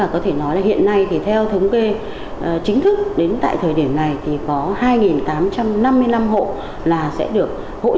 có thể nói hiện nay theo thống kê chính thức đến tại thời điểm này có hai tám trăm năm mươi năm